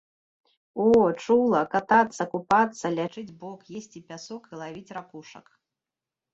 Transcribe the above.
О, чула, катацца, купацца, лячыць бок, есці пясок і лавіць ракушак.